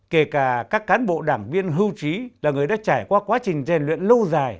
kể cả các cán bộ đảng viên hưu trí là người đã trải qua quá trình rèn luyện lâu dài